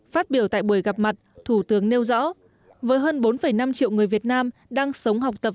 phát biểu tại buổi gặp mặt thủ tướng nêu rõ với hơn bốn năm triệu người việt nam đang sống học tập